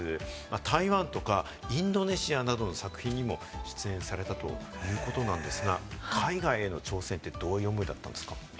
台湾とかインドネシアなどの作品にも出演されたということなんですが、海外への挑戦ってどういう思いだったんですか？